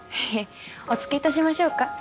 えっお付けいたしましょうか？